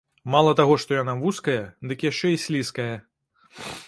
Мала таго што яна вузкая, дык яшчэ і слізкая.